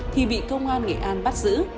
thì bị công an nghệ an bắt giữ